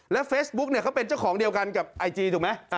เฟซบุ๊กเนี่ยเขาเป็นเจ้าของเดียวกันกับไอจีถูกไหม